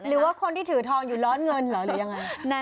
หรือว่าคนที่ถือทองอยู่ร้อนเงินเหรอหรือยังไง